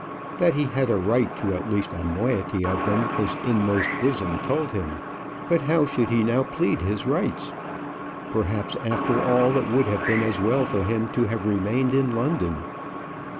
That he had a right to at least a moiety of them his inmost bosom told him; but how should he now plead his rights? Perhaps after all it would have been as well for him to have remained in London.